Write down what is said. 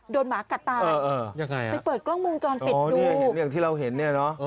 โดนหมากัดตายไปเปิดกล้องวงจรปิดดูอ๋อนี่อย่างที่เราเห็นเนี่ยเนอะ